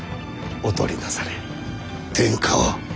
お取りなされ天下を。